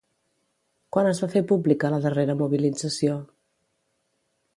Quan es va fer pública la darrera mobilització?